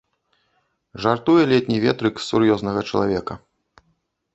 Жартуе летні ветрык з сур'ёзнага чалавека.